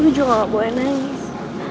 lu juga gak boleh nangis